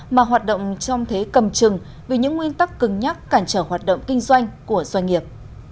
mà hoạt động trong thế cầm chừng vì những nguyên tắc cứng nhắc cản trở hoạt động kinh doanh của doanh nghiệp